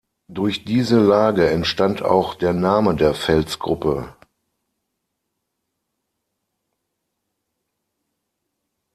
Durch diese Lage entstand auch der Name der Felsgruppe.